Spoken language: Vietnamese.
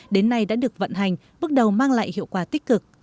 đến nay đã được vận hành bước đầu mang lại hiệu quả tích cực